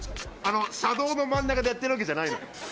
車道の真ん中でやってるわけじゃないの。